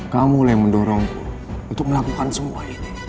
kamu yang mendorongku untuk melakukan semua ini